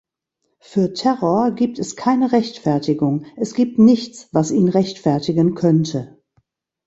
Für Terror gibt es keine Rechtfertigung, es gibt nichts, was ihn rechtfertigen könnte.